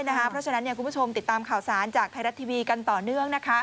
เพราะฉะนั้นคุณผู้ชมติดตามข่าวสารจากไทยรัฐทีวีกันต่อเนื่อง